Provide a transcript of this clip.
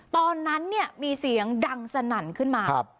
ตอนนั้นเนี่ยมีเสียงดังสนั่นขึ้นมา